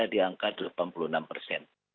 di angka delapan puluh enam persen